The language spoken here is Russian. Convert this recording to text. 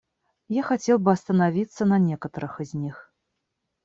Я хотел бы остановиться на некоторых из них.